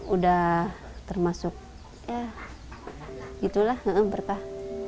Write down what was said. udah termasuk ya gitu lah berkah